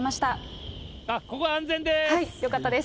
ここは安全です。